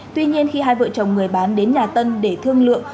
tuy nhiên khi hai vợ chồng người bán đến nhà tân để thương lượng